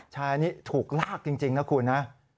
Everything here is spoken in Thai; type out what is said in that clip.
ใช่อันนี้ถูกลากจริงนะคุณ